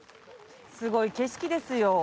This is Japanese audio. すごい景色ですよ。